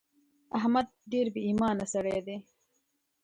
احمد ډېر بې ايمانه سړی دی.